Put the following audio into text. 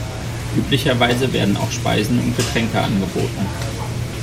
Üblicherweise werden auch Speisen und Getränke angeboten.